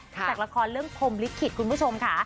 จะกลับความงามเรื่องพล๙๐๐ถ้าคุณมีชมค่ะ